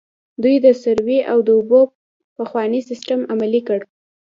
دوی د سروې او د اوبو پخوانی سیستم عملي کړ.